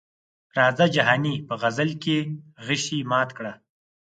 راځه جهاني په غزل کې غشي مات کړه.